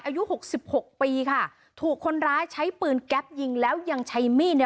หกสิบหกปีค่ะถูกคนร้ายใช้ปืนแก๊ปยิงแล้วยังใช้มีดเนี่ย